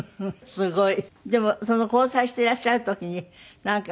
すごい。